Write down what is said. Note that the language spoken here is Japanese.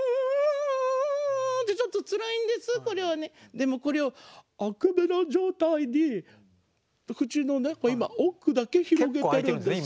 でもこれをあくびの状態で口の中今奥だけ広げてるんですよ。